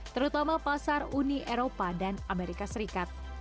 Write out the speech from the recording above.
terutama pasar uni eropa dan amerika serikat